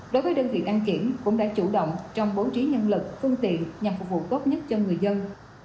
đối với đơn vị đăng kiểm cũng đã chủ động trong bố trí nhân lực phương tiện nhằm phục vụ tốt nhất cho người dân